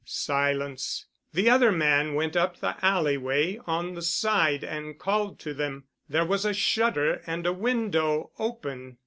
Silence. The other man went up the alley way on the side and called to them. There was a shutter and a window open.